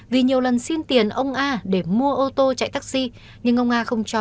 vì nhiều lần xin tiền ông a để mua ô tô chạy taxi nhưng ông a không cho